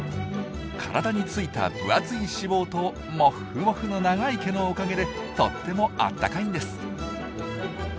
体についた分厚い脂肪とモッフモフの長い毛のおかげでとってもあったかいんです。